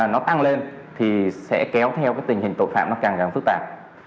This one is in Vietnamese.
nó tăng lên thì sẽ kéo theo cái tình hình tội phạm nó càng phức tạp